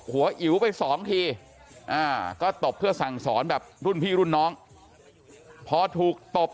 อิ๋วไปสองทีก็ตบเพื่อสั่งสอนแบบรุ่นพี่รุ่นน้องพอถูกตบ